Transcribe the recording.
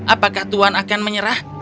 apakah tuan akan menyerah